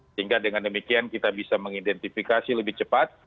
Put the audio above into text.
sehingga dengan demikian kita bisa mengidentifikasi lebih cepat